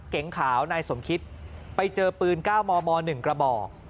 เก๋งขาวนายสมคิตไปเจอปืน๙มม๑กระบอก